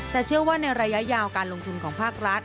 แต่เชื่อว่าในระยะยาวการลงทุนของภาครัฐ